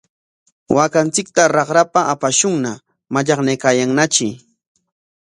Waakanchikta raqrapa apashunña, mallaqnaykaayanñatri.